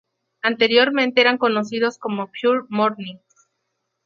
Anteriormente eran conocidos como Pure Morning.